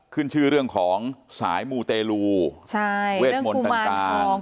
ขึ้นชื่อเรื่องของสายหมูเตรูใช่เรื่องกุมันฮอง